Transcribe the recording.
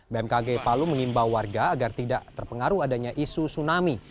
bmkg palu mengimbau warga agar tidak terpengaruh adanya isu tsunami